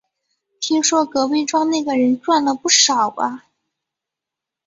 听说隔壁庄那个人赚了不少啊